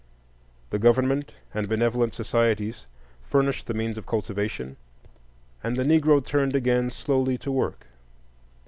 The government and benevolent societies furnished the means of cultivation, and the Negro turned again slowly to work.